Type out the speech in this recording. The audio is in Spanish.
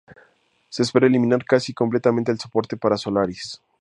Se espera eliminar casi completamente el soporte para Solaris.